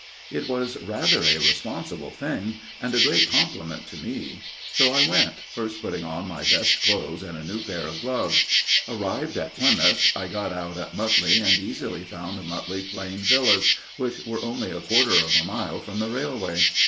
It was rather a responsible thing, and a great compliment to me. So I went, first putting on my best clothes and a new pair of gloves. Arrived at Plymouth, I got out at Mutley, and easily found Mutley Plain Villas, which were only a quarter of a mile from the railway.